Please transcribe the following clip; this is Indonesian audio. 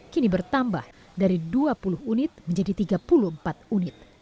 kini bertambah dari dua puluh unit menjadi tiga puluh empat unit